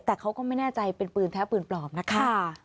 แต่เขาก็ไม่แน่ใจเป็นปืนแท้ปืนปลอมนะคะ